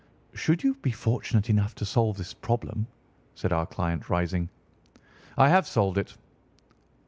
"Should you be fortunate enough to solve this problem," said our client, rising. "I have solved it."